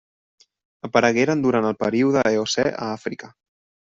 Aparegueren durant el període Eocè a Àfrica.